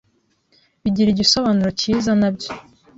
bigira igisobanuro kiza nabyo